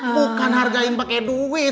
bukan hargain pake duit